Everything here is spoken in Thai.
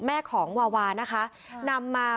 แม่ของวาวานำมา